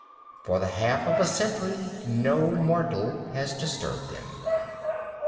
For the half of a century no mortal has disturbed them.